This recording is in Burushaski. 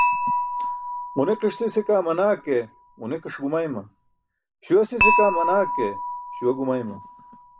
Ġuniqiṣ sise kaa manaa ke ġuniqiṣ gumayma, śuwa sise kaa manaa ke śuwa gumayma.